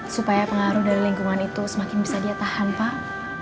supaya pengaruh dari lingkungan itu semakin bisa dia tahan pak